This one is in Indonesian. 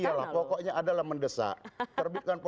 iyalah pokoknya adalah mendesak